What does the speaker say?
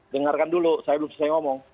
dengarkan dulu saya belum selesai ngomong